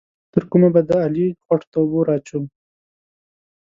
تر کومه به د علي خوټو ته اوبه ور اچوم؟